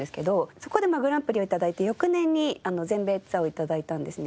そこでグランプリを頂いて翌年に全米ツアーを頂いたんですね。